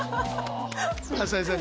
朝井さん